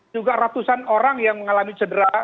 juga ratusan orang yang mengalami cedera